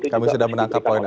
kami sudah menangkap poin